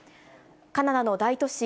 カナダの大都市